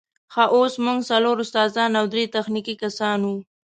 خو اوس موږ څلور استادان او درې تخنیکي کسان وو.